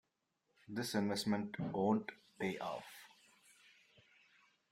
This investment won't pay off.